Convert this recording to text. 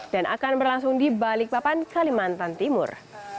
dan akan berlangsung di balik papan kalimantan timur